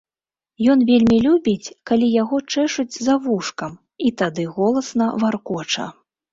Ён вельмі любіць, калі яго чэшуць за вушкам, і тады голасна варкоча.